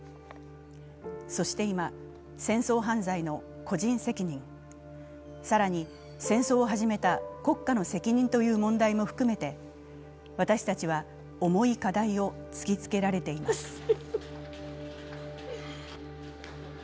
そして今、戦争犯罪の個人責任、さらに戦争を始めた国家の責任という問題も含めて私たちは重い課題を突きつけられています。